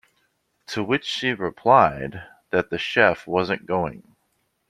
To which she replied that the chef wasn't going.